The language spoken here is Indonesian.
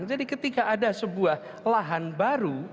jadi ketika ada sebuah lahan baru